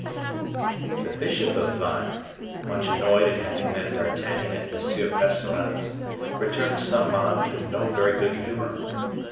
The bishop of Vannes, much annoyed at having met D'Artagnan at M. Percerin's, returned to Saint Mande in no very good humor.